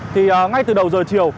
thì ngay từ đầu giờ chiều